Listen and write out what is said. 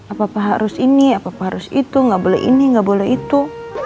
apa apa harus ini apa apa harus itu nggak boleh ini nggak boleh itu